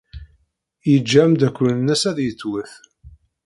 Yeǧǧa ameddakel-nnes ad yettwet.